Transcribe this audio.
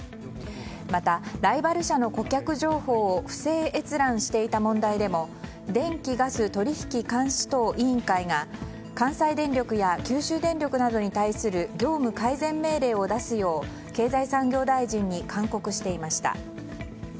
また、ライバル社の顧客情報を不正閲覧していた問題でも電気・ガス取引監視等委員会が関西電力や九州電力などに対する業務改善命令を出すよう経済産業大臣に勧告していました。